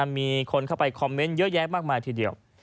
มีคนเข้าไปคอมเมนต์เยอะแยะมากมายทีเดียว